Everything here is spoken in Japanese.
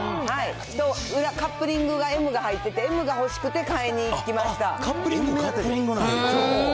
裏、カップリングがＭが入ってて、Ｍが欲しくて買いに行きました。